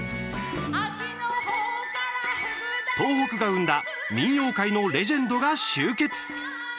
東北が生んだ民謡界のレジェンドが集結。